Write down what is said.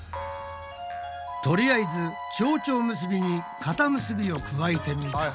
とりあえずちょうちょ結びにかた結びを加えてみた。